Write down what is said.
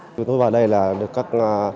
chúng tôi vào đây là được các